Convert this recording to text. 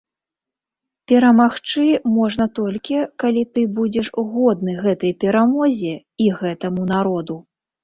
Перамагчы можна толькі, калі ты будзеш годны гэтай перамозе і гэтаму народу.